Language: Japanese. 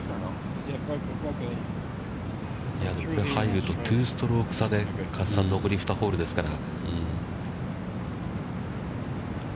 入ると、２ストローク差で、加瀬さん、残り２ホールですから。